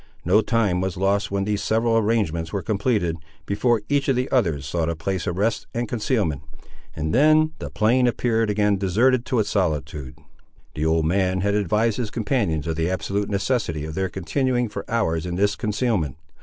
No time was lost when these several arrangements were completed, before each of the others sought a place of rest and concealment, and then the plain appeared again deserted to its solitude. The old man had advised his companions of the absolute necessity of their continuing for hours in this concealment.